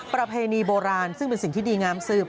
ประเพณีโบราณซึ่งเป็นสิ่งที่ดีงามสืบ